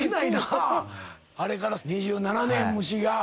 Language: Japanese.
あれから２７年むしが。